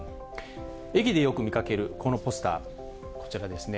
駅でよく見かけるこのポスター、こちらですね。